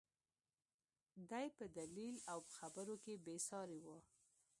دى په دليل او خبرو کښې بې سارى و.